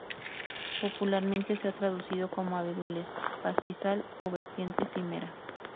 Popularmente se ha traducido como 'abedules', 'pastizal' o 'vertiente cimera'.